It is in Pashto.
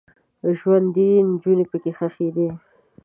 ژوندۍ نجونې پکې ښخیدې.